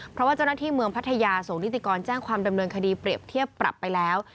เพราะว่าเจ้าหน้าที่เมืองพัทยาส่งนิติกรแจ้งความดำเนินคดีเปรียบเทียบปรับไปแล้ว